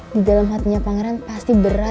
di dalam hatinya pangeran pasti berat